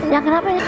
ya kenapa ya